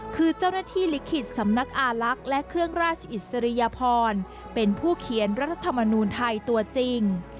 คือเจ้าหน้าที่ลิขิตสำนักอาลักษณ์และเครื่องราชอิสริยพรเป็นผู้เขียนรัฐธรรมนูลไทยตัวจริง